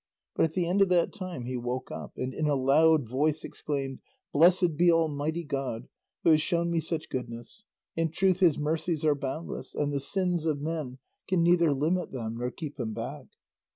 But at the end of that time he woke up, and in a loud voice exclaimed, "Blessed be Almighty God, who has shown me such goodness. In truth his mercies are boundless, and the sins of men can neither limit them nor keep them back!"